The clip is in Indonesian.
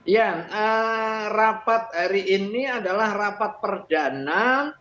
ya rapat hari ini adalah rapat perdana